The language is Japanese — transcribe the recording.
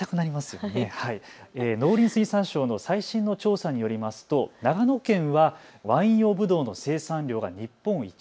農林水産省の最新の調査によりますと長野県はワイン用ぶどうの生産量が日本一。